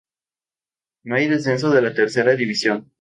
No hay descenso de la tercera división.